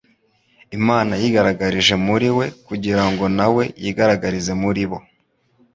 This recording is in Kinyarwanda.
Imana yigaragarije muri we kugira ngo na we yigaragarize muri bo.